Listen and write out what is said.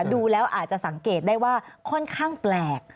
ดูแล้วอาจจะสังเกตได้ว่าค่อนข้างแปลก